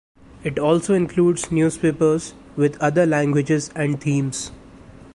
It also includes newspapers with other languages and themes.